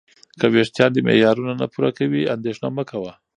که وېښتان دې معیارونه نه پوره کوي، اندېښنه مه کوه.